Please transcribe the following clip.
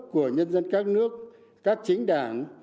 của nhân dân các nước các chính đảng